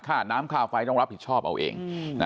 ค่าน้ำค่าไฟต้องรับผิดชอบเอาเอง